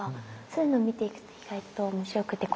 そういうのを見ていくと意外と面白くて。